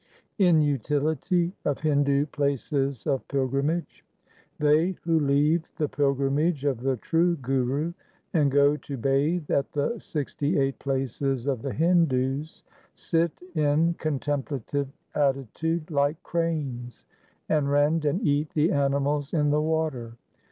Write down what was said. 1 Inutility of Hindu places of pilgrimage :— They who leave the pilgrimage of the true Guru and go to bathe at the sixty eight places of the Hindus, sit in contemplative attitude like cranes, and rend and eat the animals in the water.